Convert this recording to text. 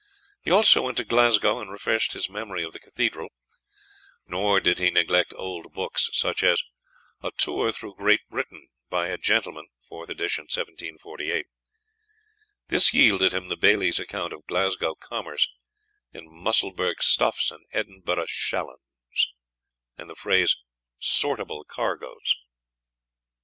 He also went to Glasgow, and refreshed his memory of the cathedral; nor did he neglect old books, such as "A Tour through Great Britain, by a Gentleman" (4th Edition, 1748). This yielded him the Bailie's account of Glasgow commerce "in Musselburgh stuffs and Edinburgh shalloons," and the phrase "sortable cargoes."